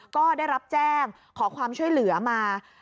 ก็ได้รับแจ้งขอความช่วยเหลือมา